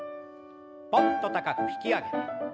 ぽんと高く引き上げて。